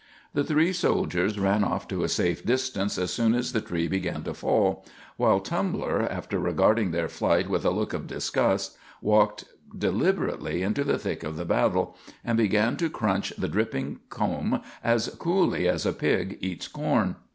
The three soldiers ran off to a safe distance as soon as the tree began to fall, while Tumbler, after regarding their flight with a look of disgust, walked deliberately into the thick of the battle, and began to crunch the dripping comb as coolly as a pig eats corn.